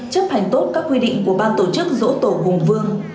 chấp hành tốt các quy định của ban tổ chức dỗ tổ hùng vương